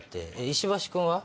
石橋君は？